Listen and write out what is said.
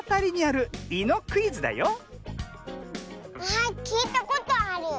あきいたことある。